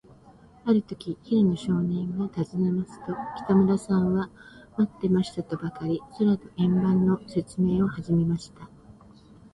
あるとき、平野少年がたずねますと、北村さんは、まってましたとばかり、空とぶ円盤のせつめいをはじめました。